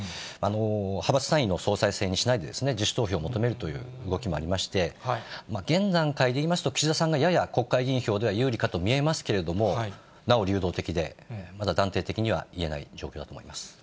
派閥単位の総裁選にしないで、自主投票を求めるという動きもありまして、現段階でいいますと、岸田さんがやや国会議員票では有利かと見えますけれども、なお流動的で、まだ断定的には言えない状況だと思います。